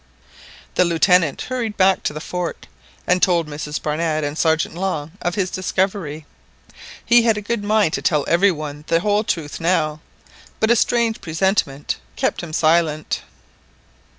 The Lieutenant hurried back to the fort, and told Mrs Barnett and Sergeant Long of his discovery. He had a good mind to tell every one the whole truth now, but a strange presentiment kept him silent.